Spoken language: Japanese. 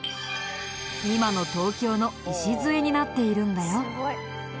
今の東京の礎になっているんだよ。